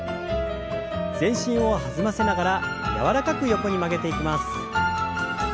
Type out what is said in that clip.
全身を弾ませながら柔らかく横に曲げていきます。